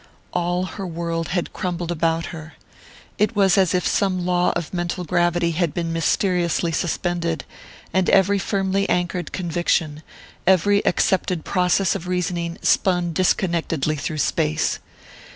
All her world had crumbled about her. It was as if some law of mental gravity had been mysteriously suspended, and every firmly anchored conviction, every accepted process of reasoning, spun disconnectedly through space.